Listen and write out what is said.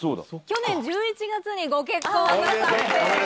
去年１１月にご結婚なさって。